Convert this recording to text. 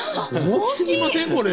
大きすぎませんこれ？